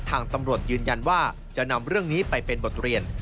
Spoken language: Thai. ทางตำรวจยืนยันว่าจะนำเรื่องนี้ไปเป็นบทเรียน